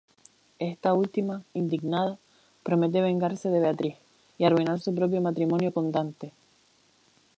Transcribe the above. Esta última, indignada, promete vengarse de Beatriz y arruinar su propio matrimonio con Dante.